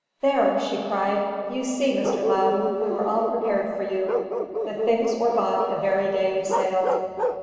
"There!" she cried; "you see, Mr. Loudon, we were all prepared for you; the things were bought the very day you sailed."